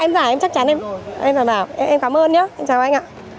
em đây cà em đây cà em đây cà